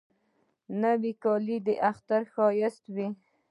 نوې کالی د اختر ښایست وي